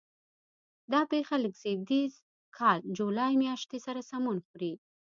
دا پېښه له زېږدیز کال جولای میاشتې سره سمون خوري.